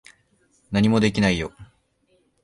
何もできないよ。